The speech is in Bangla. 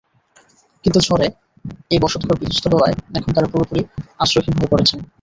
কিন্তু ঝড়ে সেই বসতঘর বিধ্বস্ত হওয়ায় এখন তাঁরা পুরোপুরি আশ্রয়হীন হয়ে পড়েছেন।